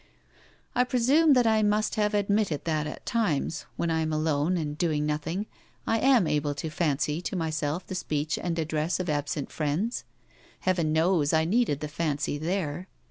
I presume that I must have admitted that at times, when I am alone and doing nothing, I am able to fancy to myself the speech and address of absent friends. Heaven knows I needed the fancy there.